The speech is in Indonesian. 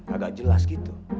agak jelas gitu